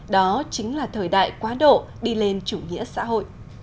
đó chính là thời đại quá độ đi lên chủ nghĩa xã hội